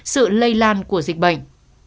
sự lây lan của dịch bệnh